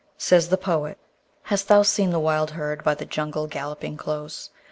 Says the poet: Hast thou seen the wild herd by the jungle galloping close?